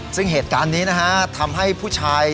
ซึ่งเหตุการณ์นี้นะฮะทำให้ผู้ชาย